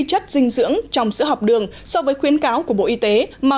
chất dinh dưỡng trong sữa học đường so với khuyến cáo của bộ y tế